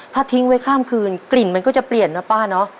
ถ้าทิ้งไว้ข้ามคืนกลิ่นมันก็จะเปลี่ยนนะป้าเนอะ